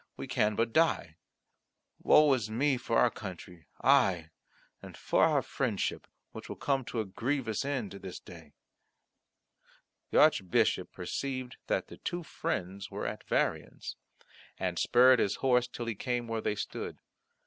We can but die. Woe is me for our country, aye, and for our friendship, which will come to a grievous end this day." The Archbishop perceived that the two friends were at variance, and spurred his horse till he came where they stood.